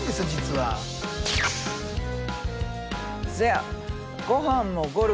せや！